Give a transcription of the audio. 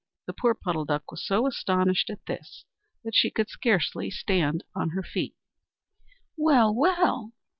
The poor Puddle Duck was so astonished at this that she could scarcely stand on her feet. "Well, well!"